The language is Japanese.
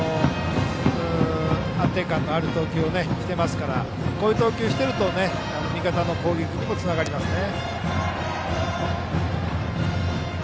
安定感のある投球をしていますからこういう投球をしていると味方の攻撃にもつながりますね。